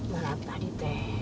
malam tadi teh